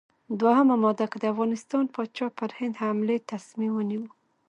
دوهمه ماده: که د افغانستان پاچا پر هند حملې تصمیم ونیو.